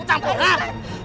untuk apa anak kecil itu